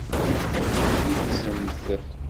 Neggzemt.